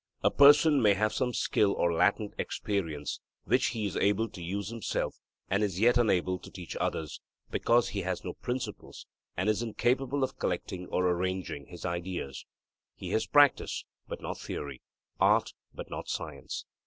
A person may have some skill or latent experience which he is able to use himself and is yet unable to teach others, because he has no principles, and is incapable of collecting or arranging his ideas. He has practice, but not theory; art, but not science.